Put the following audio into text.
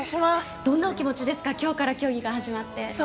どんなお気持ちですか競技が始まって。